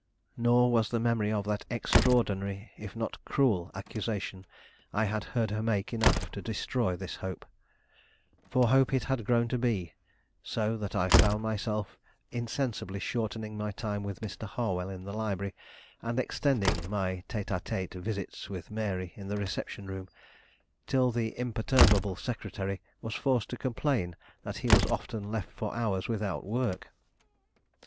Nor was the memory of that extraordinary, if not cruel, accusation I had heard her make enough to destroy this hope for hope it had grown to be so that I found myself insensibly shortening my time with Mr. Harwell in the library, and extending my tete a tete visits with Mary in the reception room, till the imperturbable secretary was forced to complain that he was often left for hours without work.